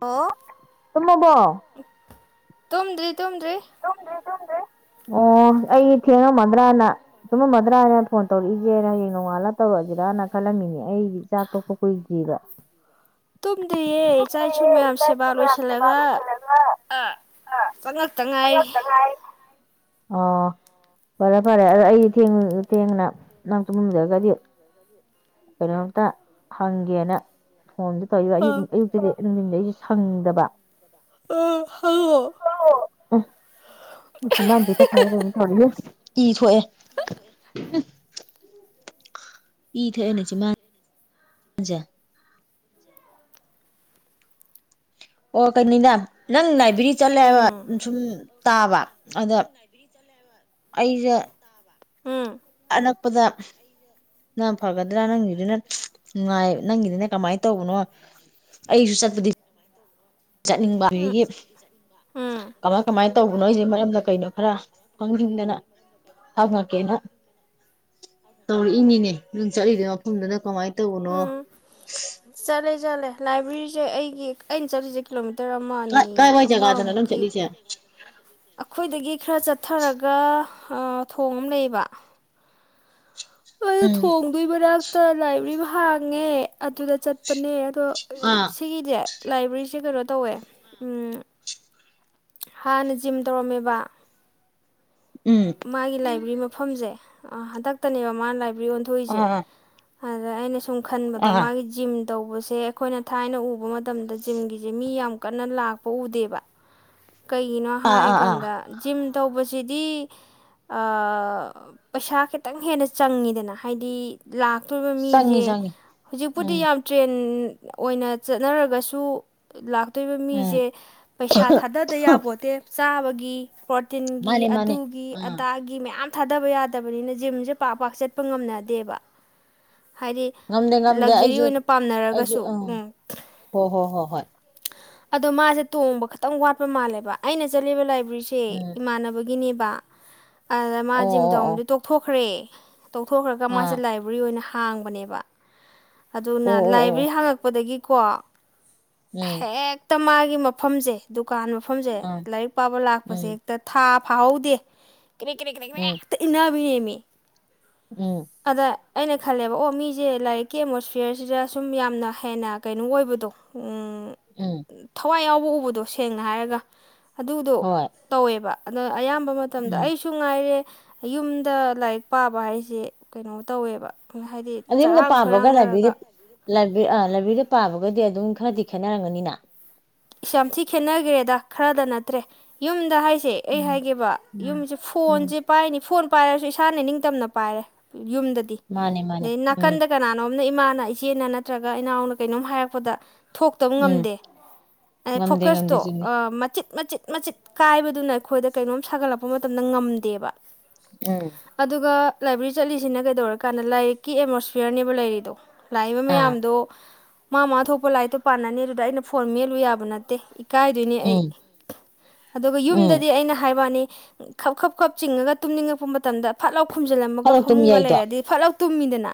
ꯑꯣ ꯇꯝꯅꯕꯣ ꯇꯣꯝ ꯇꯣꯗ ꯑꯣ ꯑꯩ ꯊꯦꯡꯉꯝꯃꯗ꯭ꯔꯅ ꯆꯨꯝꯃꯝꯃꯗ꯭ꯔꯥꯅ ꯐꯣꯟ ꯇꯧꯔꯛꯏꯁꯦꯅ ꯍꯌꯦꯡ ꯅꯣꯡꯉꯥꯜꯂ ꯇꯧꯔꯛꯑꯁꯤꯔꯅ ꯈꯜꯂꯝꯃꯤꯅꯦ ꯑꯩ ꯏꯆꯥꯥ ꯇꯣꯛꯄ ꯀꯨꯏꯗꯒ ꯇꯨꯝꯗ꯭ꯔꯤꯌꯦ ꯏꯆꯥ ꯏꯁꯨ ꯃꯌꯥꯝ ꯁꯦꯕꯥ ꯂꯣꯏꯁꯤꯜꯂꯒ ꯆꯪꯉꯛꯇ ꯉꯥꯏꯔꯤ ꯍꯔꯠꯇꯔ ꯍꯥꯏ ꯑꯣ ꯐꯔꯦ ꯐꯔꯦ ꯑꯗ ꯑꯩꯗꯤ ꯊꯦꯡ ꯊꯦꯡꯅ ꯅꯪ ꯇꯨꯝꯃꯗ꯭ꯔꯒꯗꯤ ꯀꯩꯅꯇ ꯍꯪꯒꯤꯅ ꯍꯣꯝꯗ ꯇꯧꯔꯤꯕ ꯑ ꯑꯌꯛ ꯑꯌꯨꯛꯇꯗꯤ ꯑꯗꯨ ꯅꯨꯃꯤꯩ ꯁꯪꯗꯕ ꯑ ꯍꯪꯉꯣ ꯃꯥꯟꯖꯤ ꯇ ꯈꯥꯏ ꯄꯅꯤ ꯊꯣ ꯀ ꯁꯣꯋꯦ ꯏ ꯊꯅꯦꯁꯤ ꯃꯖ ꯑꯣ ꯀꯅꯤꯗ ꯅꯪ ꯅꯥꯏꯕꯔꯤ ꯆꯠꯂꯦꯕ ꯎꯝ ꯁꯨꯝ ꯇꯥꯕ ꯑꯗ ꯑꯩꯁꯦ ꯎꯝ ꯑꯅꯛꯄꯗ ꯅꯪ ꯐꯒꯗ꯭ꯔꯥ ꯅꯪꯒꯤꯗꯨꯅ ꯅꯨꯡꯉꯥꯏ ꯅꯪꯒꯤꯗꯨꯅ ꯀꯃꯥꯏꯅ ꯇꯧꯕꯅꯣ ꯑꯩꯁꯨ ꯆꯠꯄꯗꯤ ꯆꯠꯅꯤꯡꯕ ꯎꯝ ꯑꯗꯒꯤ ꯎꯝ ꯀꯃꯥꯏ ꯀꯃꯥꯏ ꯇꯧꯕꯅꯣ ꯑꯩꯁꯦ ꯃꯔꯝꯗ ꯀꯩꯅꯣ ꯈꯔ ꯈꯪꯁꯤꯡꯅꯤꯡꯗꯅ ꯍꯞꯉꯛꯀꯦꯅ ꯇꯧꯔꯛꯏꯅꯤꯅꯦ ꯅꯪ ꯆꯠꯂꯤꯗꯨ ꯃꯐꯝꯗꯨꯅ ꯀꯃꯥꯏꯅ ꯇꯧꯕꯅꯣ ꯂꯩꯖꯠꯂꯦ ꯂꯥꯏꯕ꯭ꯔꯦꯔꯤꯁꯦ ꯑꯩꯒꯤ ꯑꯩꯅ ꯆꯠꯂꯤꯁꯦ ꯀꯤꯂꯣꯃꯤꯇꯔ ꯇꯔꯃꯥꯅꯤ ꯀꯥꯏꯋꯥꯏ ꯖꯒꯥꯗꯅꯣ ꯅꯪ ꯑꯃꯃꯨꯛꯀꯤ ꯆꯠꯂꯤꯁꯦ ꯑꯩꯈꯣꯏꯗꯒꯤ ꯈꯔ ꯆꯠꯊꯔꯒ ꯊꯣꯡ ꯑꯃ ꯂꯩꯌꯦꯕ ꯑ ꯎꯝ ꯊꯣꯡꯗꯣꯏꯕꯔꯛꯇ ꯂꯥꯏꯕ꯭ꯔꯦꯔꯤ ꯍꯥꯡꯉꯦ ꯑꯗꯨꯗ ꯆꯠꯄꯅꯦ ꯁꯣ ꯁꯤꯒꯤꯗꯤꯦ ꯂꯥꯏꯕ꯭ꯔꯦꯔꯤꯁꯦ ꯀꯩꯅꯣ ꯇꯧꯋꯦ ꯍꯥꯟꯅ ꯖꯤꯝ ꯇꯧꯔꯝꯃꯦꯕ ꯎꯝ ꯃꯥꯒꯤ ꯂꯥꯏꯕ꯭ꯔꯦꯔꯤ ꯃꯐꯝꯁꯦ ꯑ ꯍꯟꯗꯛꯇꯅꯦꯕ ꯃꯥꯅ ꯂ ꯌꯣꯟꯊꯣꯏꯁꯦ ꯑꯥ ꯑꯥ ꯑꯗꯨꯗ ꯑꯩꯅ ꯁ ꯈꯟꯕꯗ ꯑꯥ ꯃꯥꯒꯤ ꯖꯤꯝ ꯇꯧꯕꯁꯦ ꯑꯩꯈꯣꯏꯅ ꯊꯥꯏꯅ ꯎꯕ ꯃꯇꯝꯗ ꯖꯤꯝꯒꯤꯁꯦ ꯃꯤ ꯌꯥꯝ ꯀꯟꯅ ꯂꯥꯛꯄ ꯎꯗꯦꯕ ꯀꯩꯒꯤꯅꯣ ꯑꯥ ꯍꯥꯏ ꯑꯥ ꯑꯥ ꯀꯥꯟꯗ ꯖꯤꯝ ꯇꯧꯕꯁ ꯑꯁꯤꯗꯤ ꯄꯩꯁꯥ ꯈꯤꯇꯪ ꯍꯦꯟꯅ ꯆꯪꯉꯤꯗꯅ ꯍꯥꯏꯗꯤ ꯂꯥꯛ ꯑꯇꯣꯔꯤꯕ ꯆꯪꯉꯤ ꯃꯤꯁꯦ ꯆꯪꯉꯤ ꯍꯧꯖꯤꯛꯄꯨꯗꯤ ꯎꯝ ꯌꯥꯝ ꯇ꯭ꯔꯦꯟ ꯑꯣꯏꯅ ꯆꯠꯅꯔꯒꯁꯨ ꯂꯥꯛ ꯑꯠꯇꯣꯏꯕ ꯎꯝ ꯃꯤꯁꯦ ꯄꯩꯁꯥ ꯊꯥꯗꯗ ꯌꯥꯕꯣꯠꯇꯦ ꯆꯥꯕꯒꯤ ꯄꯣꯠ ꯇꯤꯟꯒꯤ ꯃꯥꯅꯦ ꯃꯥꯅꯦ ꯑꯗꯨꯒꯤ ꯑꯥ ꯑꯗꯥꯒꯤ ꯃꯌꯥꯝ ꯊꯥꯗꯕ ꯌꯥꯗꯕꯅꯤꯅ ꯖꯤꯝꯁꯦ ꯄꯥꯛ ꯄꯥꯛ ꯆꯠꯄ ꯉꯝꯅꯗꯦꯕ ꯍꯥꯏꯗꯤ ꯉꯝꯗꯦ ꯉꯝꯗꯦ ꯂꯛꯖꯔꯤ ꯑꯩꯁꯨ ꯑꯣꯏꯅ ꯄꯥꯝꯅꯔꯒꯁꯨ ꯎꯝ ꯍꯣꯏ ꯍꯣꯏ ꯍꯣꯏ ꯍꯣꯏ ꯑꯗꯣ ꯃꯥꯁꯦ ꯇꯣꯡꯕ ꯈꯛꯇ ꯈꯤꯇꯪ ꯋꯥꯠꯄ ꯃꯥꯜꯂꯦꯕ ꯑꯩꯅ ꯆꯠꯂꯤꯕ ꯂꯥꯏ ꯔꯤꯁꯦ ꯎꯝ ꯏꯃꯥꯟꯅꯕꯒꯤꯅꯦ [unintelligible] ꯑꯗꯨꯗ ꯑꯣ ꯃꯥ ꯑꯣ ꯖꯤꯝꯗꯣꯝꯗꯨ ꯑꯣ ꯇꯣꯛꯊꯣꯛꯈ꯭ꯔꯦ ꯇꯧꯊꯣꯛꯈ꯭ꯔꯒ ꯃꯥꯁꯦ ꯑꯥ ꯂꯥꯏꯕ꯭ꯔꯦꯔꯤ ꯑꯣꯏꯅ ꯍꯥꯡꯕꯅꯦꯕ ꯑꯣ ꯑꯗꯨꯅ ꯑꯣ ꯂꯥꯏꯕ꯭ꯔꯦꯔꯤ ꯑꯣ ꯍꯥꯡꯂꯛꯄꯗꯒꯤ ꯀꯋꯥ ꯎꯝ ꯍꯦꯛ ꯇ ꯃꯥꯒꯤ ꯃꯐꯝꯁꯦ ꯗꯨꯀꯥꯟ ꯃꯐꯝꯁꯦ ꯑꯥ ꯂꯥꯏꯔꯤꯛ ꯄꯥꯕ ꯂꯥꯛꯄꯁꯦ ꯎꯝ ꯍꯦꯛꯇ ꯊꯥ ꯐꯥꯎꯗꯦ ꯀ ꯀꯅꯤ ꯎꯝ ꯀ ꯏꯅꯥ ꯍ ꯎꯝ ꯑꯗ ꯑꯩꯅ ꯈꯜꯂꯦꯕ ꯑꯣ ꯃꯤꯁꯦ ꯂꯥꯏꯔꯤꯛꯀꯤ ꯑꯦꯠꯃꯣꯁꯐꯤꯌꯔꯁꯤꯗ ꯁꯨꯝ ꯌꯥꯝꯅ ꯍꯦꯟꯅ ꯀꯩꯅꯣ ꯑꯣꯏꯕꯗꯣ ꯎ ꯎꯝ ꯊꯋꯥꯏ ꯌꯥ ꯄꯣꯛꯎꯕꯗꯣ ꯁꯦꯡꯅ ꯍꯥꯏꯔꯒ ꯑꯗꯨꯗꯣ ꯍꯣꯏ ꯇꯧꯋꯦꯕ ꯑ ꯑꯌꯥꯝꯕ ꯃꯇꯝꯗ ꯎꯝ ꯑꯩꯁꯨ ꯉꯥꯏꯔꯦ ꯌꯨꯝꯗ ꯂꯥꯏꯔꯤꯛ ꯄꯥꯕ ꯍꯥꯏꯁꯦ ꯀꯩꯅꯣ ꯇꯧꯋꯦꯕ ꯍꯥꯏꯗꯤ ꯆꯔꯥꯡ ꯈꯣꯏꯔꯥꯡꯅꯔꯒ ꯂꯕꯦꯔꯤ ꯑ ꯂꯥꯏꯕ꯭ꯔꯦꯔꯤꯗ ꯄꯥꯕꯒꯗꯤ ꯑꯗꯨꯝ ꯈꯔꯗꯤ ꯈꯦꯠꯅꯔꯝꯒꯅꯤꯅ ꯏꯁ ꯌꯥꯝ ꯊꯤ ꯈꯦꯠꯅꯈ꯭ꯔꯦꯗ ꯈꯔꯗ ꯅꯠꯇ꯭ꯔꯦ ꯌꯨꯝꯗ ꯍꯥꯏ ꯁꯦ ꯑꯩ ꯎꯝ ꯍꯥꯏꯒꯦꯕ ꯎꯝ ꯌꯨꯝꯁꯦ ꯎꯝ ꯐꯣꯟꯁꯦ ꯄꯥꯏꯅꯤ ꯐꯣꯟ ꯄꯥꯏꯔꯁꯨ ꯏꯁꯥꯅ ꯅꯤꯡꯇꯝꯅ ꯄꯥꯏꯔꯦ ꯌꯨꯝꯗꯗꯤ ꯃꯥꯅꯦ ꯃꯥꯅꯦ ꯎꯝ ꯅꯥꯀꯟꯗ ꯀꯅꯥꯅꯣ ꯑꯅ ꯏꯃꯥꯅ ꯏꯆꯦꯅ ꯅꯠꯇ꯭ꯔꯒ ꯏꯅꯥꯎꯅ ꯀꯩꯅꯣꯝ ꯍꯥꯏꯔꯛꯄꯗ ꯊꯣꯛꯇꯕ ꯎꯝ ꯉꯝꯗꯦ ꯉꯝꯗꯦ ꯐꯁ ꯉꯝꯗꯦ ꯇꯣ ꯆꯨꯝꯃꯤ ꯃꯆꯤꯠ ꯃꯆꯤꯠ ꯃꯆꯤꯠ ꯀꯥꯏꯕꯗꯨꯅ ꯑꯩꯈꯣꯏꯗ ꯀꯩꯅꯣꯝ ꯁꯥꯒꯠꯂꯛꯄ ꯃꯇꯝꯗ ꯉꯝꯗꯦꯕ ꯎꯝ ꯑꯗꯨꯒ ꯂꯥꯏꯕ꯭ꯔꯦꯔꯤ ꯆꯠꯂꯤꯁꯤꯅ ꯀꯩꯗꯧꯔꯀꯥꯟꯗ ꯂꯥꯏꯔꯤꯛꯀꯤ ꯑꯦꯠꯃꯣꯁꯐꯤꯌꯔꯅꯦꯕ ꯂꯩꯔꯤꯗꯣ ꯂꯥꯛꯏꯕ ꯑꯥ ꯃꯌꯥꯝꯗꯣ ꯃꯥ ꯃꯥ ꯊꯣꯛꯄ ꯂꯥꯏꯔꯤꯠꯇꯣ ꯄꯥꯟꯅꯅꯤ ꯑꯗꯨꯗ ꯑꯩꯅ ꯐꯣꯔ ꯃꯜꯂꯨꯕ ꯕꯅ ꯏꯀꯥꯏꯗꯣꯏꯅꯤ ꯑꯩ ꯎꯝ ꯑꯗꯨꯒ ꯎꯝ ꯌꯨꯝꯗꯗꯤ ꯑꯩꯅ ꯍꯥꯏꯕꯅꯤ ꯈꯞ ꯈꯞ ꯈꯞ ꯆꯤꯡꯉꯒ ꯇꯨꯝꯅꯤꯡꯉꯛꯄ ꯃꯇꯝꯗ ꯐꯠꯥꯎ ꯈꯨꯝꯖꯤꯜꯂꯝꯃꯒ ꯐꯔꯛ ꯇꯨꯝ ꯐꯃꯨꯡꯒ ꯌꯥꯏꯗꯣ ꯂꯩꯔꯗꯤ ꯐꯠꯂꯞ ꯇꯃꯤꯗꯅꯥ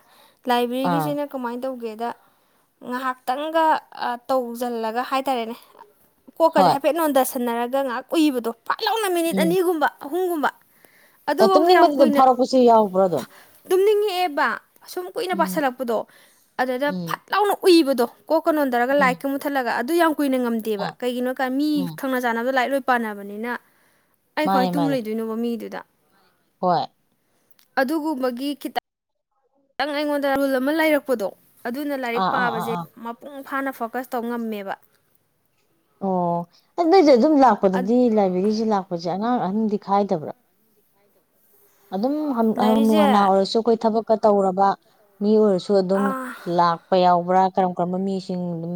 ꯑꯥ ꯂꯥꯏꯕ꯭ꯔꯦꯔꯤꯒꯤꯁꯤꯅ ꯀꯃꯥꯏꯅ ꯇꯧꯒꯦ ꯑꯗꯨꯗ ꯉꯥꯏꯍꯥꯛꯇꯪꯒ ꯇꯧꯁꯤꯜꯂꯒ ꯍꯥꯏꯇꯥꯔꯦꯅꯦ ꯑ ꯀꯣꯀꯥ ꯍꯣꯏ ꯍꯥꯏꯦꯩꯅꯣꯣꯟꯗꯁ ꯁꯟꯅꯔꯒ ꯉꯥꯏꯍꯥꯛ ꯎꯏꯕꯗꯣ ꯄꯥꯛꯂꯥꯎꯅ ꯃꯤꯅꯤꯠ ꯎꯝ ꯑꯅꯤꯒꯨꯝꯕ ꯑꯍꯨꯝꯒꯨꯝꯕ ꯑꯗꯨꯐꯧꯗ ꯌꯥꯝ ꯇꯨꯝꯅꯤꯡꯕꯗꯤ ꯑꯗꯨꯝ ꯀꯨꯏꯅ ꯐꯥꯔꯛꯄꯁꯨ ꯌꯥꯎꯕ꯭ꯔꯥ ꯑꯗꯨꯝ ꯇꯨꯝꯅꯤꯡꯉꯛꯑꯦꯕ ꯑꯁꯨꯝ ꯀꯨꯏꯅ ꯎꯝ ꯄꯁꯤꯜꯂꯛꯄꯗꯣ ꯑꯗꯨꯗ ꯎꯝ ꯐꯠ ꯂꯥꯎꯅ ꯎꯏꯕꯗꯣ ꯀꯣꯛꯀ ꯅꯣꯟꯗꯔꯒ ꯎꯝ ꯂꯥꯏꯠꯀ ꯃꯨꯊꯠꯂꯒ ꯑꯗꯨ ꯑꯗꯨ ꯌꯥ ꯀꯨꯏꯅ ꯉꯝꯗꯦꯕ ꯑꯥ ꯀꯩꯒꯤꯅꯣ ꯀ ꯃꯤ ꯎꯝ ꯊꯪꯅ ꯆꯥꯅꯕꯗ ꯂꯥꯏꯔꯤꯛ ꯂꯣꯏ ꯄꯥꯟꯅꯕꯅꯤꯅ ꯑꯩ ꯀꯣ ꯑꯩ ꯃꯥꯅꯦ ꯇꯨꯝ ꯃꯥꯅꯦ ꯂꯩꯗꯣꯏꯅꯣꯕ ꯃꯤꯗꯨꯗ ꯍꯣꯏ ꯑꯗꯨꯒꯨꯝꯕꯒꯤꯈꯤꯇ ꯈꯤꯇꯪ ꯑꯩꯉꯣꯟꯗ ꯔꯨꯜ ꯑꯃ ꯂꯩꯔꯛꯄꯗꯣ ꯑꯗꯨꯅ ꯂꯥꯏꯔꯤꯛ ꯑꯥ ꯑꯥ ꯑꯥ ꯄꯥꯕꯁꯦ ꯑꯥ ꯃꯄꯨꯡ ꯐꯥꯅ ꯐꯣꯀꯁ ꯇꯧ ꯉꯝꯃꯦꯕ ꯑꯣ ꯗꯣꯢꯖꯨ ꯑꯗꯨꯝ ꯂꯥꯛꯄꯗꯗꯤ ꯂꯥꯏꯕ꯭ꯔꯦꯔꯤꯁꯤ ꯂꯥꯛꯄ ꯁꯦ ꯑꯉꯥꯡ ꯑꯍꯟꯗꯤ ꯈꯥꯏꯗꯕ꯭ꯔꯥ ꯑꯗꯨꯝ ꯍꯅꯨ ꯂꯥꯏꯔꯤꯛꯁꯦ ꯍꯅꯥ ꯑꯣꯏꯔꯁꯨ ꯑꯩꯈꯣꯏ ꯊꯕꯛ ꯀ ꯇꯧꯔꯕ ꯃꯤ ꯑꯣꯏꯔꯁꯨ ꯑꯗꯨꯝ ꯂꯥꯛꯄ ꯌꯥꯎꯕ꯭ꯔꯥ ꯀꯔꯝ ꯀꯔꯝꯕ ꯃꯤꯁꯤꯡ ꯑꯗꯨꯝ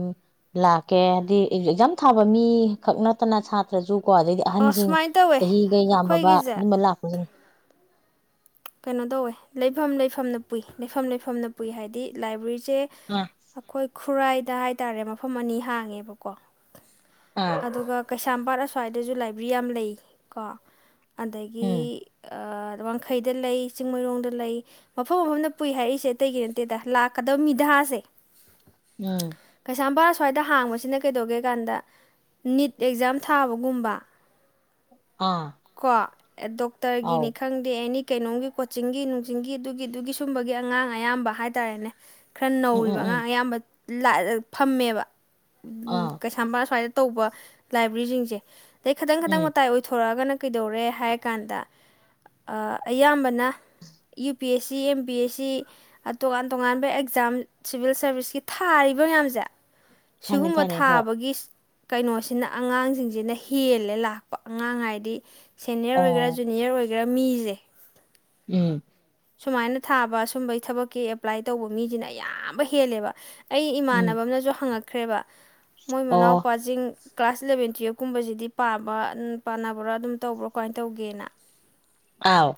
ꯂꯥꯛꯀꯦ ꯍꯥꯏꯗꯤ ꯑꯦꯖꯛꯖꯥꯝ ꯊꯥꯕ ꯃꯤ ꯈꯛ ꯅꯠꯇꯅ ꯁꯥꯇ꯭ꯔꯁꯨ ꯀꯣ ꯑꯗꯩꯗꯤ ꯑꯣ ꯑꯍꯟꯁꯤꯡ ꯁꯨꯃꯥꯏꯅ ꯇꯧꯋꯦ ꯆꯍꯤꯒ ꯌꯥꯝꯃꯕ ꯑꯩꯈꯣꯏꯒꯤꯁꯦ ꯑꯗꯨꯝꯕ ꯂꯥꯛꯄꯁꯤꯡꯅꯤ ꯀꯩꯅꯣ ꯇꯧꯋꯦ ꯂꯩꯐꯝ ꯂꯩꯐꯝꯅ ꯄꯨꯏ ꯂꯩꯐꯝ ꯂꯩꯐꯝꯅ ꯄꯨꯏ ꯍꯥꯏꯗꯤ ꯂꯥꯏꯕ꯭ꯔꯦꯔꯤ ꯆꯦ ꯑꯥ ꯑꯩꯈꯣꯏ ꯈꯨꯔꯥꯏꯗ ꯍꯥꯏꯇꯥꯔꯦ ꯃꯐꯝ ꯑꯅꯤ ꯍꯥꯡꯉꯦꯕꯀꯣ ꯑꯥ ꯑꯗꯨꯒ ꯀꯩꯁꯥꯝꯄꯥꯠ ꯁ꯭ꯋꯥꯏꯗꯁꯨ ꯂꯥꯏꯕ꯭ꯔꯦꯔꯤ ꯌꯥꯝ ꯂꯩ ꯀꯣ ꯑꯗꯒꯤ ꯎꯝ ꯑ ꯋꯥꯡꯈꯩ ꯗ ꯂꯩ ꯆꯤꯡꯃꯩꯔꯣꯡꯗ ꯂꯩ ꯃꯐꯝ ꯃꯐꯝꯗ ꯄꯨꯏ ꯍꯥꯏꯔꯛꯏꯁꯦ ꯑꯇꯩꯒꯤ ꯅꯠꯇꯦꯗ ꯂꯥꯛꯀꯗꯕ ꯃꯤꯙꯥꯁꯦ ꯎꯝ ꯀꯩꯁꯥꯝꯄꯥꯠ ꯑꯁ꯭ꯋꯥꯏꯗ ꯍꯥꯡꯕꯁꯤꯅ ꯀꯩꯗꯧꯒꯦ ꯀꯥꯟꯗ ꯅꯤꯠ ꯑꯦꯛꯖꯥꯝ ꯊꯥꯕꯒꯨꯝꯕ ꯑꯥ ꯀꯣ ꯑꯥꯎ ꯗꯣꯛꯇꯔꯒꯤꯅꯤ ꯈꯪꯗꯦ ꯑꯦꯅꯤ ꯀꯩꯅꯣꯝꯒꯤ ꯀꯣꯆꯤꯡꯒꯤ ꯅꯨꯡꯆꯤꯡꯒꯤ ꯑꯗꯨꯒꯤ ꯑꯗꯨꯒꯤ ꯁꯨꯝꯕꯒꯤ ꯑꯉꯥꯡ ꯑꯌꯥꯝꯕ ꯍꯥꯏꯇꯥꯔꯦꯅꯦ ꯈꯔ ꯎꯝ ꯅꯧꯔꯤꯕ ꯎꯝ ꯎꯝ ꯑꯉꯥꯡ ꯑꯌꯥꯝꯕ ꯐꯝꯃꯦꯕ ꯎꯝ ꯑꯥ ꯀꯩꯁꯕꯥ ꯁꯋꯥꯏꯗ ꯇꯧꯕ ꯂꯥꯏꯕ꯭ꯔꯦꯔꯤꯁꯤꯡꯁꯦ ꯑꯗ ꯈꯤꯇꯪ ꯇꯪ ꯎꯝ ꯃꯇꯥꯏ ꯑꯣꯏꯊꯣꯔꯛꯑꯒꯅ ꯀꯩꯗꯧꯔꯦ ꯍꯥꯏꯔ ꯀꯥꯟꯗ ꯑꯌꯥꯝꯕꯅ U P S C M P S C ꯇꯣꯉꯥꯟ ꯇꯣꯉꯥꯟꯕ ꯑꯦꯛꯖꯥꯝ ꯁꯤꯚꯤꯜ ꯁꯥꯔꯚꯤꯁꯀꯤ ꯊꯥꯔꯤꯕ ꯃꯌꯥꯝꯁꯦ ꯊꯥꯅꯤ ꯁꯤꯒꯨꯝꯕ ꯊꯥꯅꯤ ꯍꯣꯏ ꯊꯥꯕꯒꯤ ꯀꯩꯅꯣꯁꯤꯅ ꯑꯉꯥꯡꯁꯤꯡꯁꯤꯅ ꯍꯦꯜꯂꯦ ꯂꯥꯛꯄ ꯑꯉꯥꯡ ꯍꯥꯏꯗꯤ ꯁꯅꯤꯌꯔ ꯑꯣ ꯑꯣꯏꯒꯦꯥꯖꯨꯅꯤꯔ ꯑꯣꯏꯒꯦꯥ ꯁꯤꯔ ꯃꯤꯁꯦ ꯎꯝ ꯁꯨꯃꯥꯏꯅ ꯊꯥꯕ ꯁꯨꯝꯕꯒꯤ ꯊꯕꯛꯀꯤ ꯑꯦꯄ꯭ꯂꯥꯏ ꯇꯧꯕ ꯃꯤꯁꯤꯅ ꯑꯌꯥꯝꯕ ꯍꯦꯜꯂꯦꯕ ꯑꯩ ꯎꯝ ꯏꯃꯥꯟꯅꯕ ꯑꯃꯅꯁꯨ ꯍꯪꯉꯛ ꯈ꯭ꯔꯦꯕ ꯃꯣꯏ ꯑꯣ ꯃꯅꯥꯎ ꯄꯋꯥꯖꯤꯡ ꯀ꯭ꯂꯥꯁ ꯏꯂꯚꯦꯟ ꯇꯨꯌꯦꯜꯞꯀꯨꯝꯕꯁꯤꯗꯤ ꯄꯥꯕ ꯄꯥꯅꯕ꯭ꯔꯥ ꯑꯗꯨꯝ ꯇꯧꯕ꯭ꯔꯥ ꯀꯃꯥꯏꯅ ꯇꯧꯒꯦꯅ ꯑꯥꯎ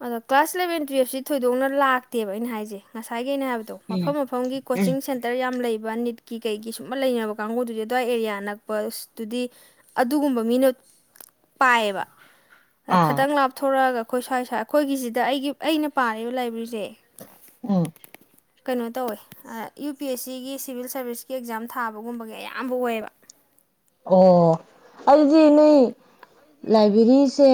ꯑꯣ ꯀ꯭ꯂꯥꯁ ꯂ ꯇꯨꯋꯌꯦꯞꯁꯤ ꯊꯣꯏꯗꯣꯛꯅ ꯂꯥꯛꯇꯦꯕ ꯑꯩꯅ ꯍꯥꯏꯁꯦ ꯉꯁꯥꯏ ꯦ ꯍꯥꯏꯕꯗꯣ ꯎꯝ ꯃꯐꯝ ꯃꯐꯝꯒꯤ ꯎꯝ ꯀꯣꯆꯤꯡ ꯁꯦꯟꯇꯔ ꯌꯥꯝ ꯂꯩꯕ ꯅꯤꯠꯀꯤ ꯀꯩꯒꯤ ꯁꯨꯝ ꯂꯩꯅꯕ ꯀꯥꯡꯕꯨꯗꯨꯗꯤ ꯑ꯭ꯋꯥꯏ ꯑꯦꯔꯤꯌꯥ ꯅꯛꯄꯇꯨꯗꯤ ꯑꯗꯨꯒꯨꯝꯕ ꯃꯤꯅ ꯄꯥꯏꯌꯦꯕ ꯑꯥ ꯈꯤꯇꯪ ꯂꯥꯞꯊꯣꯔꯛꯑꯒ ꯑꯩꯈꯣꯏ ꯁ꯭ꯋꯥꯏ ꯁ꯭ꯋꯥꯏ ꯑꯩꯈꯣꯏꯒꯤꯁꯤꯗ ꯑꯩꯒꯤ ꯑꯩꯅ ꯄꯥꯕ ꯂꯥꯏꯕ꯭ꯔꯦꯔꯤꯁꯦ ꯎꯝ ꯀꯩꯅꯣ ꯇꯧꯋꯦ ꯌꯨ ꯄꯤ ꯑꯦꯁ ꯁꯤꯒꯤ ꯁꯤꯚꯤꯜ ꯁꯥꯔꯚꯤꯁꯀꯤ ꯑꯦꯛꯖꯥꯝ ꯊꯥꯕꯒꯨꯝꯕꯒꯤ ꯑꯌꯥꯝꯕ ꯑꯣꯏꯌꯦꯕ ꯑꯣ ꯑꯗꯨꯗꯤ ꯅꯣꯏ ꯂꯥꯏꯕ꯭ꯔꯦꯔꯤꯁꯦ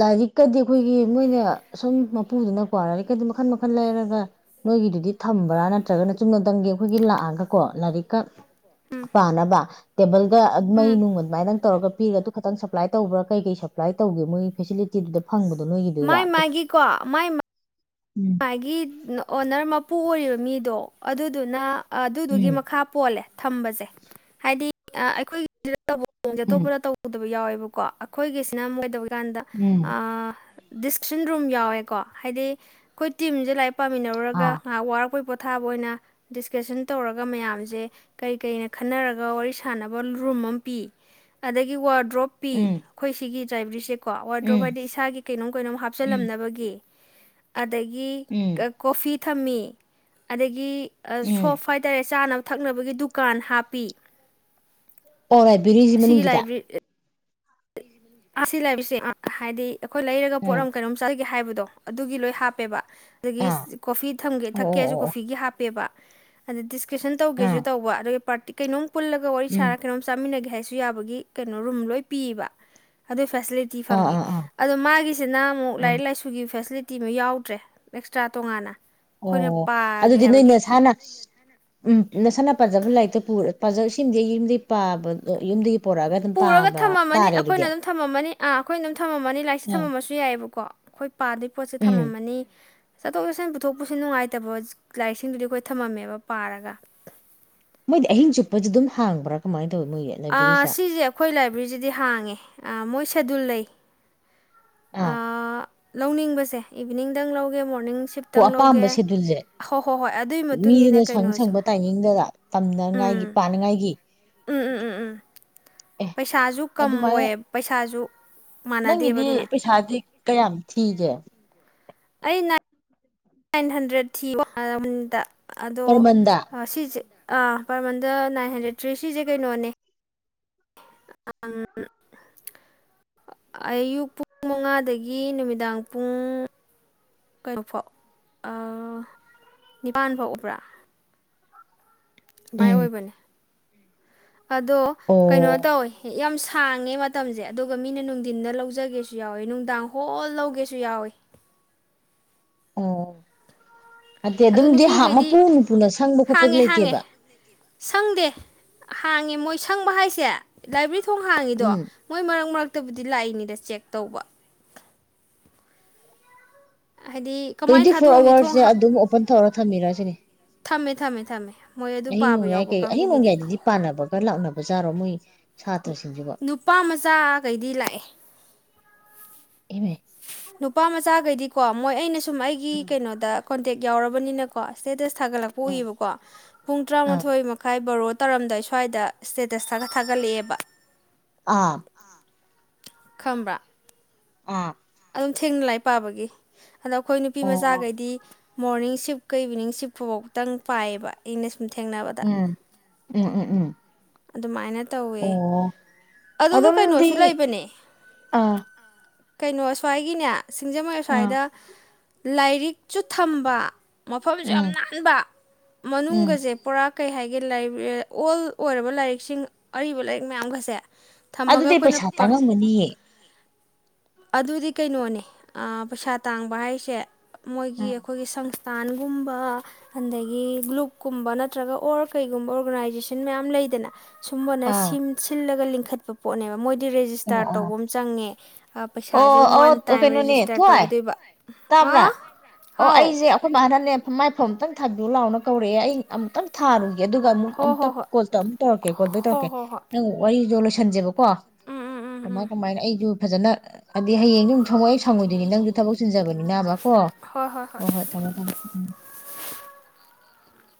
ꯂꯥꯏꯔꯤꯛꯀꯗꯤ ꯑꯩꯈꯣꯏꯒꯤ ꯃꯣꯏꯅ ꯁꯨꯝ ꯃꯄꯨꯗꯨꯅꯀꯣ ꯂꯥꯏꯔꯤꯛꯀꯗꯤ ꯃꯈꯟ ꯃꯈꯜ ꯂꯩꯔꯒ ꯅꯣꯏꯒꯤꯗꯨꯗꯤ ꯊꯝꯕ꯭ꯔꯥ ꯅꯠꯇ꯭ꯔꯒꯅ ꯆꯨꯝꯅꯗꯪꯒꯤ ꯑꯩꯈꯣꯏꯒꯤ ꯂꯥꯛꯑꯒꯀꯣ ꯂꯥꯏꯔꯤꯛꯀ ꯎꯝ ꯄꯥꯅꯕ ꯇꯦꯕꯜ ꯒ ꯃꯩ ꯎꯝ ꯅꯨꯡ ꯑꯗꯨꯃꯥꯏꯅꯪ ꯇꯧꯔꯒ ꯄꯤꯔꯒ ꯑꯗꯨ ꯈꯤꯇꯪ ꯑꯦꯄ꯭ꯂꯥꯏ ꯇꯧꯕ꯭ꯔꯥꯩ ꯀꯩ ꯁꯛ ꯄ꯭ꯂꯥꯏ ꯇꯧꯒꯦ ꯃꯣꯏꯒꯤ ꯐꯦꯁꯤꯂꯤꯇꯤꯗꯨꯗ ꯐꯪꯕꯗꯣ ꯅꯣꯏꯒꯤꯗꯨꯗ ꯃꯥꯏ ꯑꯝꯇ ꯃꯥꯒꯤꯀꯣ ꯃꯥꯏ ꯎꯝ ꯃꯥꯒꯤ ꯑꯣꯅꯔ ꯃꯄꯨ ꯑꯣꯏꯔꯤꯕ ꯃꯤꯗꯣ ꯑꯗꯨꯗꯨꯅ ꯑꯗꯨꯗꯨꯒꯤ ꯎꯝ ꯃꯈꯥ ꯄꯣꯜꯂꯦ ꯊꯝꯕꯁꯦ ꯍꯥꯏꯗꯤ ꯑꯩꯈꯣꯏꯒꯤ [unintelligible] ꯎꯝ ꯑꯇꯞꯄꯅ ꯇꯧꯗꯕ ꯌꯥꯎꯋꯦꯕ ꯀꯣ ꯑꯩꯈꯣꯏꯒꯤꯁꯤꯅꯗ ꯀ꯭ꯟꯗꯥ ꯎꯝ ꯑꯥ꯫ ꯗꯤꯁꯀꯁꯟ ꯔꯨꯝ ꯌꯥꯎꯋꯦꯀꯣ ꯍꯥꯏꯗꯤ ꯈꯣꯏ ꯇꯤꯝ ꯁꯦ ꯂꯥꯏꯛ꯫ ꯄꯥꯃꯤꯅꯣꯎꯔꯥꯒꯥ ꯑꯥ ꯉ꯭ꯈ ꯋꯥꯔꯀꯄꯦꯏ ꯄꯣꯊ꯫ ꯑꯊꯥꯕ ꯑꯣꯏꯅ ꯗꯤꯁꯀꯁꯟ ꯇꯧꯔꯒ ꯃꯌꯥꯝꯁꯦ ꯀꯩ ꯀꯩꯅ ꯈꯟꯅꯔꯒ ꯋꯥꯔꯤ ꯁꯥꯟꯅꯕ ꯔꯨꯝ ꯑꯃ ꯄꯤ ꯑꯗꯒꯤ ꯋꯥꯔꯗ ꯗ꯭ꯔꯣꯞꯄꯤꯤ ꯎꯝ ꯑꯩꯈꯣꯏ ꯁꯤꯒꯤ ꯂꯥꯏꯕ꯭ꯔꯦꯔꯤ ꯁꯦ ꯀꯣ ꯋꯥ ꯎꯝ ꯗ꯭ꯔꯣꯞ ꯍꯥꯏꯗꯤ ꯏꯁꯥꯒꯤ ꯀꯩꯅꯣꯝ ꯀꯩꯅꯣꯝ ꯎꯝ ꯍꯥꯞꯆꯜꯂꯝꯅꯕꯒꯤ ꯑꯗꯥꯒꯤ ꯎꯝ ꯀꯥ ꯀꯐꯤ꯫ ꯊ꯭ꯃꯤ ꯑꯗꯥꯒꯤ꯫ ꯎꯝ ꯁꯣꯐ ꯍꯥꯏꯇꯥꯔꯦ ꯆꯥꯅꯕ ꯊꯀꯅꯥꯕꯥꯒꯤ ꯗꯨꯀꯥꯟ ꯍꯞꯄꯤ꯫ ꯑꯣꯍꯍ ꯂꯥꯏꯕ꯭ꯔꯦꯔꯤ ꯁꯤ ꯃꯥꯅꯨꯡ ꯁꯤ ꯗꯥ꯫ ꯑꯁꯤ ꯂꯩꯕꯁꯦ ꯍꯥꯏꯗꯤ ꯑꯈꯣꯏ ꯂꯦꯏꯔꯥꯒꯥ ꯄꯣꯠ ꯎꯝ ꯑꯥꯃꯥ ꯀꯦꯏꯅꯣꯝ ꯆꯥꯖꯥꯒꯦ ꯍꯥꯌ꯫ ꯇꯣꯍ ꯑꯗꯨꯒꯤ ꯂꯣꯏ ꯍꯥꯞꯄꯦ ꯕꯥ꯫ ꯑꯗꯥꯒꯤ ꯑꯥ ꯀꯐꯤ ꯊꯃꯒꯦ ꯑꯣ ꯑꯣ ꯊ꯭ꯀꯦ ꯑꯣ ꯁꯨ ꯑꯣ ꯀꯐꯤ ꯒꯨ ꯍꯥꯞꯄꯦ ꯕꯥ꯫ ꯑꯗꯨꯗꯤ ꯗꯤ ꯇꯤꯎꯁꯟ ꯇ꯭ꯕꯒꯦ ꯁꯨ ꯑꯥ ꯇ꯭ꯕꯥ ꯑꯗꯨꯒꯥ ꯄꯥꯔꯠ꯫ ꯀꯦꯏꯅꯣꯝ ꯍꯥꯌꯅꯥ ꯀꯧꯏ꯫ ꯄꯨꯂꯥꯒꯥ ꯋꯥꯔꯤ ꯎꯝ ꯁꯔꯒꯥ ꯀꯦꯏꯅꯣꯝ ꯆꯃꯤꯡꯒꯦ ꯍꯥꯌ꯫ ꯁꯨ ꯌꯥꯕꯥ ꯒꯤ ꯀꯦꯏꯅꯣ ꯔꯨꯝ ꯂꯣꯏ꯫ ꯄꯤꯌꯦ ꯕꯥ ꯑꯗꯨꯏ꯫ ꯐꯦꯁꯤꯂꯤꯇꯤ ꯑꯥ ꯐꯪꯉꯤ ꯑꯥ ꯑꯥ ꯑꯗꯣ ꯃꯥꯒꯤꯁꯤꯅ ꯑꯃꯨꯛ ꯎꯝ ꯂꯥꯏꯔꯤꯛ ꯂꯥꯏꯁꯨꯒꯤ ꯐꯦꯁꯤꯂꯤꯇꯤ ꯇꯤꯃ ꯌꯥꯎꯗ꯭ꯔꯦ ꯑꯦꯛꯁꯇ꯭ꯔꯥ ꯇꯣꯉꯥꯟꯅ ꯑꯩꯈꯣꯏꯅ ꯑꯣ ꯄꯥꯒꯦ ꯑꯗꯨꯗꯤ ꯅꯣꯏ ꯍꯥꯏꯕꯒꯤ ꯅꯁꯥꯅ ꯎꯝ ꯅꯁꯥꯅ ꯄꯥꯖꯕ ꯂꯥꯏꯔꯤꯛꯇ ꯄꯨꯔ ꯄꯥꯖꯁꯤꯡꯗꯤ ꯌꯨꯝꯗꯤ ꯄꯥꯕꯗꯣ ꯌꯨꯝꯗꯤ ꯄꯨꯔꯒ ꯊꯝꯃꯝꯃꯅꯤ ꯑꯩꯈꯣꯏꯅ ꯑꯗꯨꯝ ꯊꯝꯃꯝꯃꯅꯤ ꯑꯥ ꯑꯩꯈꯣꯏꯅ ꯑꯗꯨꯝ ꯊꯝꯃꯝꯃꯅꯤ ꯂꯥꯏꯔꯤꯛꯁꯦ ꯎꯝ ꯊꯝꯃꯝꯃꯁꯨ ꯌꯥꯏꯑꯕꯀꯣ [inaudible] ꯄꯥꯗꯣꯏ ꯄꯣꯠꯁꯦ ꯎꯝ ꯊ꯭ꯃꯥꯃꯅꯤ꯫ ꯆꯠꯊꯣꯛ ꯆꯠꯁꯤꯟ ꯄꯨꯊꯣꯛ ꯄꯨꯁꯤꯟ ꯅꯨꯡꯉꯥꯏꯇꯕ ꯂꯥꯏꯔꯤꯛꯁꯤꯡꯗꯨꯗꯤ ꯑꯩꯈꯣꯏ ꯊꯝꯃꯝꯃꯦꯕ ꯄꯥꯔꯒ ꯃꯣꯏꯗꯤ ꯑꯍꯤꯡ ꯆꯨꯞꯄꯁꯨ ꯑꯗꯨꯝ ꯍꯥꯡꯕ꯭ꯔꯥ ꯀꯃꯥꯏꯅ ꯇꯧꯋꯤ ꯃꯣꯏꯒꯤ ꯑ ꯂꯥꯏꯕ꯭ꯔꯦꯔꯤꯁꯦ ꯁꯤꯁꯦ ꯑꯩꯈꯣꯏ ꯂꯥꯏꯕ꯭ꯔꯦꯔꯤꯁꯤꯗꯤ ꯍꯥꯡꯉꯦ ꯑ ꯃꯣꯏꯁꯤ ꯁꯦꯗꯨꯜ ꯂꯩ ꯑ ꯂꯧꯅꯤꯡꯕꯁꯦ ꯏꯚꯅꯤꯡꯗꯪ ꯂꯧꯒꯦ ꯃꯣꯛ ꯑꯣ ꯑꯄꯥꯝꯕ ꯁꯦꯗꯨꯜꯁꯦ ꯍꯣꯏ ꯍꯣꯏ ꯑꯗꯨꯒꯤ ꯃꯇꯨꯡ ꯃꯤꯗꯨꯅ ꯏꯟꯅ ꯁꯪ ꯀꯩꯅꯣꯁꯨ ꯁꯪꯕ ꯇꯥꯏꯃꯤꯡꯗꯨꯗ ꯇꯝꯅꯉꯥꯏꯒꯤ ꯎꯝ ꯄꯥꯅꯉꯥꯏꯒꯤ ꯎꯝ ꯎꯝ ꯎꯝ ꯎꯝ [unintelligible] ꯄꯩꯁꯥꯁꯨ ꯀꯝ ꯑꯗꯨꯃꯥꯏꯅ ꯑꯣꯏꯌꯦ ꯄꯩꯁꯥꯁꯨ ꯃꯥꯟꯅꯗꯦꯕ ꯅꯪꯒꯤꯗꯤ ꯑꯗꯨꯅ ꯄꯩꯁꯥꯗꯤ ꯀꯌꯥꯝ ꯊꯤꯒꯦ ꯑꯩꯅ ꯅꯥꯏꯟ ꯍꯟꯗ꯭ꯔꯦꯠ ꯊꯤ ꯋꯥꯗ ꯑꯗꯣ ꯄꯔꯃꯟꯗ ꯁꯤꯁꯦ ꯑꯥ ꯄꯥꯔ ꯃꯟꯗ ꯅꯥꯏꯟ ꯍꯟꯗ꯭ꯔꯦꯗ ꯊ꯭ꯔꯤ ꯁꯤꯁꯦ ꯀꯩꯅꯣꯅꯦ ꯑꯌꯨꯛ ꯄꯨꯡ ꯃꯉꯥꯗꯒꯤ ꯅꯨꯃꯤꯗꯥꯡ ꯄꯨꯡ ꯀꯩꯅꯣꯐꯥꯎ ꯑ ꯅꯤꯄꯥꯥꯟ ꯐꯥꯎ ꯎꯕ꯭ꯔꯥ ꯚꯏ ꯎꯝ ꯑꯣꯏꯕꯅꯦ ꯑꯗꯣ ꯀꯩꯅꯣ ꯑꯣ ꯇꯧꯋꯦ ꯌꯥꯝ ꯊꯥꯡꯉꯦ ꯃꯇꯝꯁꯦ ꯑꯗꯨꯒ ꯃꯤꯅ ꯅꯨꯡꯊꯤꯟꯗ ꯂꯧꯖꯒꯦꯁꯨ ꯌꯥꯎꯋꯤ ꯅꯨꯡꯗꯥꯡ ꯍꯣꯜ ꯂꯧꯒꯦꯁꯨ ꯌꯥꯎꯋꯤ ꯑꯣ ꯅꯠꯇꯦ ꯑꯗꯣ ꯑꯗꯨꯝꯗꯤ ꯍꯥ ꯃꯄꯨ ꯅꯨꯄꯤꯈꯩꯗꯤ ꯃꯄꯨꯅ ꯁꯪꯕ ꯈꯣꯠꯄꯗꯨ ꯍꯥꯡꯉꯦ ꯍꯥꯡꯉꯦ ꯂꯩꯇꯦꯕ ꯁꯪꯗꯦ ꯍꯥꯡꯉꯦ ꯃꯣꯏ ꯁꯪꯕ ꯍꯥꯏꯁꯦ ꯂꯥꯏꯕ꯭ꯔꯦꯔꯤ ꯊꯣꯡ ꯍꯥꯡꯉꯤꯗꯣ ꯎꯝ ꯃꯣꯏ ꯃꯔꯛ ꯃꯔꯛ ꯈꯛꯇꯕꯨꯗꯤ ꯂꯥꯛꯏꯅꯤꯗ ꯆꯦꯛ ꯇꯧꯕ ꯍꯥꯏꯗꯤ ꯀꯃꯥꯏꯅ ꯇ꯭ꯋꯦꯟꯇꯤ ꯐꯣꯔ ꯊꯥꯗꯣꯛꯑꯝꯅꯤ ꯊꯣꯡ ꯑꯋꯥꯔꯁꯁꯦ ꯑꯗꯨꯝ ꯑꯣꯄꯟ ꯇꯧꯔ ꯊꯝꯕꯤꯔꯁꯤꯅꯦ ꯊꯝꯃꯦ ꯊꯝꯃꯦ ꯊꯝꯃꯦ ꯃꯣꯏ ꯑꯗꯨ ꯑꯍꯤꯡ ꯄꯥꯕ ꯅꯣꯡꯌꯥꯏ ꯌꯥꯎꯕ ꯀꯩ ꯑꯍꯤꯡ ꯀꯥꯡꯕꯨꯒꯤꯗꯤ ꯅꯣꯡꯌꯥꯏꯗꯗꯤ ꯄꯥꯅꯕꯒ ꯂꯥꯛꯅꯕꯖꯥꯔꯣ ꯃꯣꯏ ꯁꯥꯇ꯭ꯔꯁꯤꯡꯁꯤꯕꯣ ꯅꯨꯄꯥ ꯃꯆꯥꯈꯩꯗꯤ ꯂꯥꯛꯑꯦ ꯏꯃꯦ ꯅꯨꯄꯥ ꯃꯆꯥꯈꯩꯗꯤꯀꯣ ꯃꯣꯏ ꯑꯩꯅ ꯁꯨꯝ ꯑꯩꯒꯤ ꯎꯝ ꯀꯩꯅꯣꯗ ꯀꯣꯟꯇꯦꯛ ꯌꯥꯎꯔꯕꯅꯤꯅꯀꯣ ꯁ꯭ꯇꯦꯇꯁ ꯊꯥꯒꯠꯂꯛꯄ ꯎꯝ ꯎꯏꯌꯦꯕꯀꯣ ꯄꯨꯡ ꯑꯥ ꯇꯔꯥꯃꯥꯊꯣꯏ ꯃꯈꯥꯏ ꯕꯥꯔꯣ ꯇꯧꯔꯝꯗꯥꯏ ꯁ꯭ꯋꯥꯏꯗ ꯏꯁꯇꯦꯇꯁ ꯊꯥꯒꯠ ꯊꯥꯒꯠꯂꯛꯑꯦꯕ ꯑꯥ ꯈꯪꯕ꯭ꯔ ꯑ ꯑꯗꯨꯝ ꯊꯦꯡꯅ ꯂꯥꯏ ꯄꯥꯕꯒꯤ ꯑꯗꯣ ꯑꯩꯈꯣꯏ ꯅꯨꯄꯤ ꯑꯣ ꯃꯆꯥꯈꯩꯗꯤ ꯃꯣꯔꯅꯤꯡ ꯁꯤꯐꯀ ꯏꯚꯤꯅꯤꯡ ꯁꯤꯞꯀꯐꯧꯇꯪ ꯄꯥꯏꯑꯕ ꯑꯩꯅ ꯁꯨꯝ ꯊꯦꯡꯅꯕꯗ ꯎꯝ ꯎꯝ ꯎꯝ ꯎꯝ ꯑꯗꯨꯃꯥꯏꯅ ꯇꯧꯋꯦ ꯑꯣ ꯑꯗꯨꯒ ꯑꯗꯨꯝꯗꯤ ꯀꯩꯅꯣꯁꯨ ꯂꯩꯕꯅꯦ ꯑꯥ ꯀꯩꯅꯣ ꯁ꯭ꯋꯥꯏꯒꯤꯅꯦ ꯁꯤꯡꯖꯃꯩ ꯑꯥ ꯑꯥꯁ꯭ꯋꯥꯏꯗ ꯂꯥꯏꯔꯤꯛꯁꯨ ꯊꯝꯕ ꯃꯐꯝꯁꯨ ꯌꯥꯝ ꯎꯝ ꯅꯥꯟꯕ ꯎꯝ ꯃꯅꯨꯡꯒꯁꯦ ꯄꯨꯔꯥ ꯀꯩ ꯍꯥꯏꯒꯦ ꯂꯦ ꯑꯣꯜ ꯑꯣꯏꯔꯕ ꯂꯥꯏꯔꯤꯛꯁꯤꯡ ꯑꯔꯤꯕ ꯂꯥꯏꯔꯤꯛ ꯃꯌꯥꯝꯈꯁꯦ ꯑꯗꯨꯗꯤ ꯄꯩꯁꯥ ꯇꯥꯉꯝꯃꯅꯤꯌꯦ ꯑꯗꯨꯗꯤ ꯀꯩꯅꯣꯅꯦ ꯄꯩꯁꯥ ꯇꯥꯡꯕ ꯍꯥꯏꯁꯦ ꯃꯣꯏꯒꯤ ꯎꯝ ꯑꯩꯈꯣꯏꯒꯤ ꯁꯪ ꯇꯥꯟꯒꯨꯝꯕ ꯑꯗꯒꯤ ꯒ꯭ꯂꯨꯞꯀꯨꯝꯕ ꯅꯠꯇ꯭ꯔꯒ ꯑꯣꯔ ꯀꯩꯒꯨꯝꯕ ꯑꯣꯔꯒꯅꯥꯏꯖꯦꯁꯟ ꯃꯌꯥꯝ ꯌꯥꯝ ꯂꯩꯗꯅ ꯁꯨꯝꯕꯅ ꯑꯥ ꯁꯤꯜꯂꯒ ꯄꯈꯠꯄ ꯄꯣꯠꯅꯦꯕ ꯃꯣꯏ ꯗꯤ ꯑꯣ ꯔꯦꯖꯤꯁꯇꯥꯔ ꯇꯧꯕ ꯑꯣ ꯑꯃ ꯆꯪꯉꯦ ꯄꯩꯁꯥꯁꯦ ꯑꯣ ꯋꯥꯟ ꯑꯣ ꯇꯥꯏꯝ ꯀꯩꯅꯣꯅꯦ ꯔꯦꯖꯤꯁꯇꯔ ꯊꯣꯏ ꯇꯧꯗꯣꯏꯕ ꯇꯥꯕ꯭ꯔꯥ ꯑꯥ ꯑꯣ ꯍꯥꯎ ꯑꯩꯁꯦ ꯑꯩꯈꯣꯏ ꯃꯅꯥꯅꯦ ꯃꯥꯏꯐꯝ ꯑꯝꯇꯪ ꯊꯥꯕꯤꯌꯨ ꯂꯥꯎꯅ ꯀꯧꯔꯛꯑꯦ ꯑꯩ ꯑꯃꯨꯇꯪ ꯊꯥꯔꯨꯅꯦ ꯑꯗꯨꯒ ꯑꯃꯨꯛ ꯍꯣ ꯍꯣ ꯑꯃꯨꯛꯇꯣꯨꯛ ꯍꯣꯏ ꯇꯧꯔꯛꯀꯦ ꯀꯣꯜꯕꯩ ꯍꯣ ꯇꯧꯔꯛꯀꯦꯪ ꯍꯣ ꯍꯣꯏ ꯋꯥꯔꯤ ꯈꯟꯖꯕ ꯀꯣ ꯎꯝ ꯎꯝ ꯎꯝ ꯀꯃꯥꯏ ꯎꯝ ꯀꯃꯥꯏꯅ ꯑꯩꯁꯨ ꯐꯖꯅ ꯑꯗꯤ ꯍꯌꯦꯡꯁꯨ ꯁꯪꯉꯏ ꯌꯥ ꯁꯪꯉꯣꯏꯅꯤ ꯅꯪꯗꯤ ꯊꯛ ꯄꯨꯁꯤꯟꯖꯕꯅꯤꯅꯕꯀꯣ ꯍꯣꯏ ꯍꯣꯏ ꯊꯝꯃꯦ ꯊꯝꯃꯦ ꯎꯝ